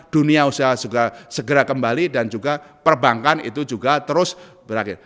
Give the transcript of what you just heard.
dunia usaha juga segera kembali dan juga perbankan itu juga terus berakhir